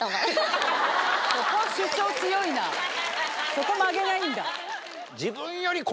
そこ曲げないんだ。